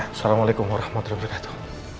assalamualaikum warahmatullahi wabarakatuh